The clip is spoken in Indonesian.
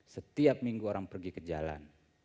setiap minggu orang pergi ke jalan